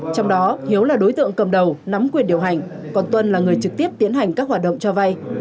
trong đó hiếu là đối tượng cầm đầu nắm quyền điều hành còn tuân là người trực tiếp tiến hành các hoạt động cho vay